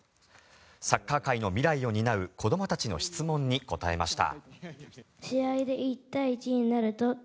サッカー界の未来を担う子どもたちの質問に答えました。